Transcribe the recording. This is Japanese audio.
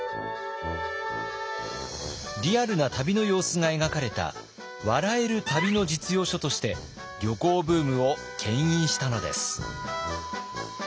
リアルな旅の様子が描かれた笑える旅の実用書として旅行ブームをけん引したのです。